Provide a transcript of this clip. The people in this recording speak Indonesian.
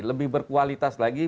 lebih berkualitas lagi